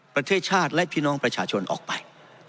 ประเทศชาติและพี่น้องประชาชนออกไป